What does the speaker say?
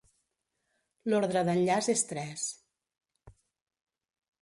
L'ordre d'enllaç és tres.